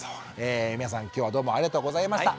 え皆さん今日はどうもありがとうございました。